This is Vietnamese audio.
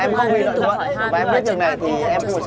và em biết điều này thì em không phải sợ gì cả nhé em